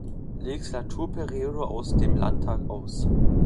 Legislaturperiode aus dem Landtag aus.